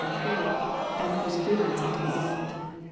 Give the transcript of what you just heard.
in the faith, and perseverance unto the end.